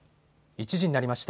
１時になりました。